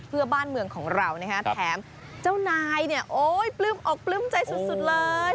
เพื่อบ้านเมืองของเรานะฮะแถมเจ้านายเนี่ยโอ๊ยปลื้มอกปลื้มใจสุดเลย